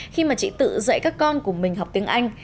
khi mà chị tự dạy các con của mình học tiếng anh